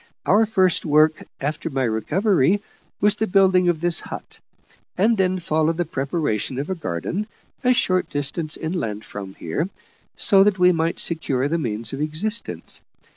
Our first work, after my recovery, was the building of this hut: and then followed the preparation of a garden, a short distance inland from here, so that we might secure the means of existence.